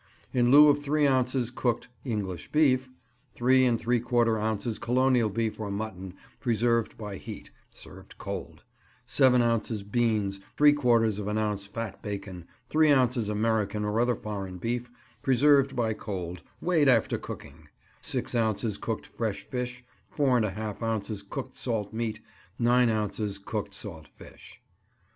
In lieu of three ounces cooked English beef: Three and three quarter ounces Colonial beef or mutton, preserved by heat (served cold); seven ounces beans, three quarters of an ounce fat bacon; three ounces American or other foreign beef, preserved by cold (weighed after cooking); six ounces cooked fresh fish; four and a half ounces cooked salt meat; nine ounces cooked salt fish.